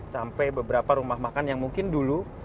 sampai beberapa rumah makan yang mungkin dulu